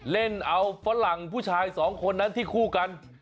เล่นเอาฝรั่งผู้ชายสองคนนั้นที่คู่กัน